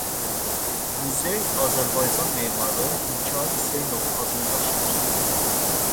Muzey Azərbaycan memarı Mikayıl Hüseynovun adını daşıyır.